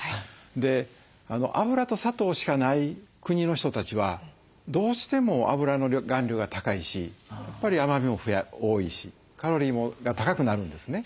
で脂と砂糖しかない国の人たちはどうしても脂の含量が高いしやっぱり甘みも多いしカロリーが高くなるんですね。